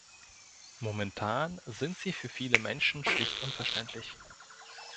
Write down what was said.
Momentan sind sie für viele Menschen schlicht unverständlich.